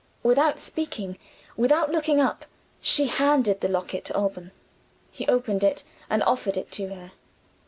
Without speaking, without looking up, she handed the locket to Alban. He opened it, and offered it to her.